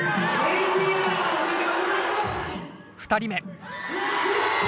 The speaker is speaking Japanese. ２人目。